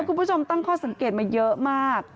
คุณผู้ชมตั้งข้อสังเกตมาเยอะมาก